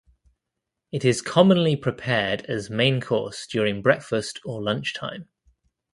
It is commonly prepared as main course during breakfast or lunchtime.